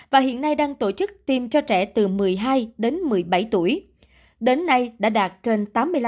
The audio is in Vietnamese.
và hiện nay đang tổ chức tiêm cho trẻ từ một mươi hai đến một mươi bảy tuổi đến nay đã đạt trên tám mươi năm